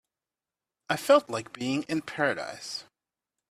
I felt like being in paradise.